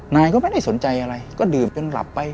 นายก็ไม่ได้สนใจอะไรก็ดื่มจนหลับไป